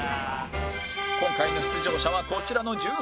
今回の出場者はこちらの１３名